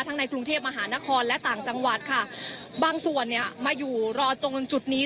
ในกรุงเทพมหานครและต่างจังหวัดค่ะบางส่วนเนี่ยมาอยู่รอตรงจุดนี้